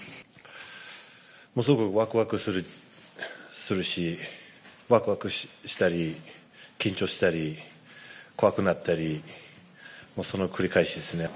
すごくわくわくするし緊張したり怖くなったりその繰り返しですね。